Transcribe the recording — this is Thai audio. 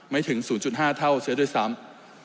ไม่ถึง๐๕เท่าเสียด้วยซ้ำ